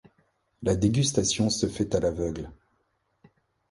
La dégustation se fait à l’aveugle.